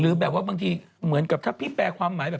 แบบว่าบางทีเหมือนกับถ้าพี่แปลความหมายแบบ